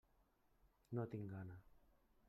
No tinc gana.